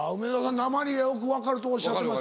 なまりよく分かるとおっしゃってます。